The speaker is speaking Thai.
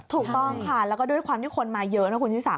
ถูกต้องค่ะแล้วก็ด้วยความที่คนมาเยอะนะคุณชิสา